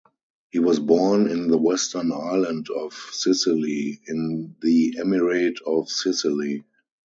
He was born in the western island of Sicily in the Emirate of Sicily.